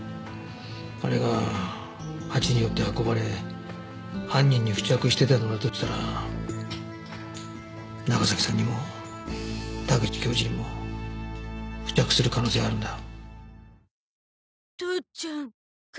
あれが蜂によって運ばれ犯人に付着していたのだとしたら長崎さんにも田口教授にも付着する可能性はあるんだ。